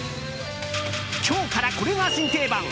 今日から、これが新定番。